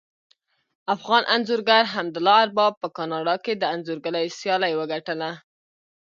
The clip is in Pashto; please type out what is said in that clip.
افغان انځورګر حمدالله ارباب په کاناډا کې د انځورګرۍ سیالي وګټله